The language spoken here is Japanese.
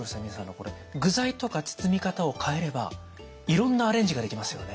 これ具材とか包み方を変えればいろんなアレンジができますよね。